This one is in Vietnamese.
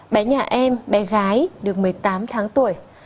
bé nhà em bé gái được một mươi tám tháng tuổi